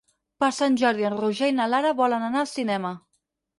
Per Sant Jordi en Roger i na Lara volen anar al cinema.